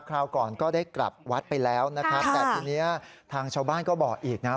คราวก่อนก็ได้กลับวัดไปแล้วนะครับแต่ทีนี้ทางชาวบ้านก็บอกอีกนะ